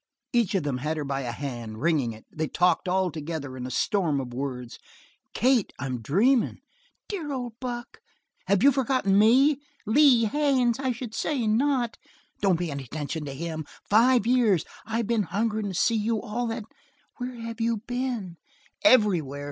Each of them had her by a hand, wringing it; they talked all together in a storm of words. "Kate, I'm dreamin'! Dear old Buck! Have you forgotten me? Lee Haines! I should say not. Don't pay any attention to him. Five years. And I've been hungerin' to see you all that . Where have you been? Everywhere!